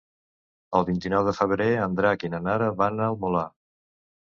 El vint-i-nou de febrer en Drac i na Nara van al Molar.